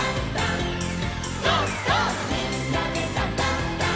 「みんなでダンダンダン」